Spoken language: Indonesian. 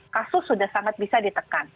kasus sudah sangat bisa ditekan